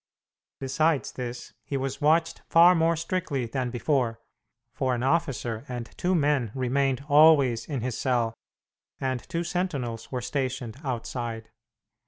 Besides this, he was watched far more strictly than before, for an officer and two men remained always in his cell, and two sentinels were stationed outside.